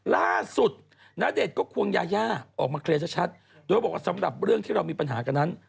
ล่าสุดณเดชน์ก็ควงยายาออกมาเคลียร์ชัดโดยบอกว่าสำหรับเรื่องที่เรามีปัญหากันนั้น